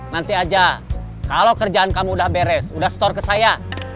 nanti aja kalau kerjaan kamu udah beres udah store ke saya